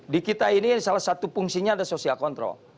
di kita ini salah satu fungsinya ada social control